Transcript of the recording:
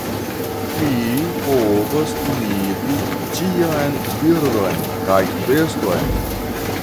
Mi povas imiti ĉian birdon kaj beston.